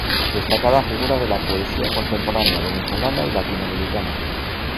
Destacada figura de la poesía contemporánea venezolana y latinoamericana.